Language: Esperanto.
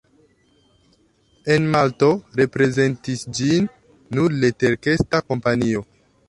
En Malto reprezentis ĝin nur leterkesta kompanio.